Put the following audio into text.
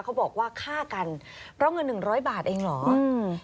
เขาบอกว่าฆ่ากันเพราะเงิน๑๐๐บาทเองหรอ